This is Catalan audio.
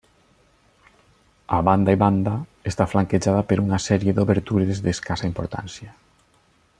A banda i banda, està flanquejada per una sèrie d’obertures d’escassa importància.